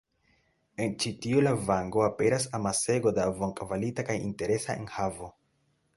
En ĉi tiu lavango aperas amasego da bonkvalita kaj interesa enhavo.